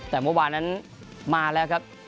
แต่เมื่อวานนั้นมาแล้วครับ